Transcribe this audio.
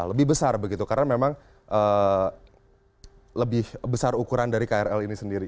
lebih besar begitu karena memang lebih besar ukuran dari krl ini sendiri